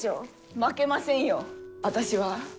負けませんよ、私は。